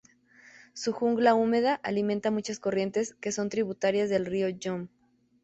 Su jungla húmeda alimenta muchas corrientes que son tributarias del río Yom.